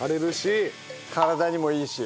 体にもいいし。